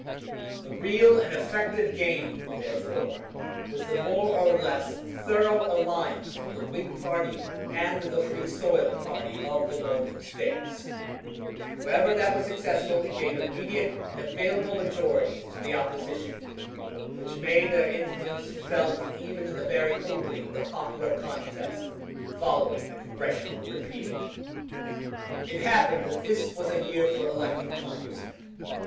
The real and effective gain, therefore, was the more or less thorough alliance of the Whig party and the Free soil party of the Northern States: wherever that was successful it gave immediate and available majorities to the opposition, which made their influence felt even in the very opening of the popular contest following the Congressional repeal. It happened that this was a year for electing Congressmen.